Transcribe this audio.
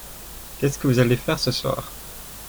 Qu'est-ce que vous allez faire ce soir ?